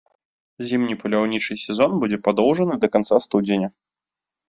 Зімні паляўнічы сезон будзе падоўжаны да канца студзеня.